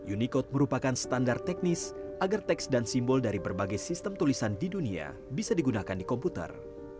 unicode merupakan standar teknis agar teks dan simbol dari berbagai sistem tulisan di dunia bisa digunakan di komputer